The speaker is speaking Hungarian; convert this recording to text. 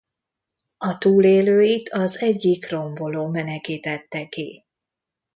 A túlélőit az egyik romboló menekítette ki.